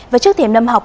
và trước thêm năm học